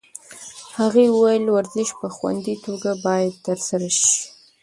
هغې وویل ورزش په خوندي توګه باید ترسره شي.